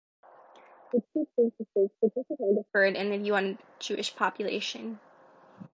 The two censuses significantly differed in the view on Jewish population.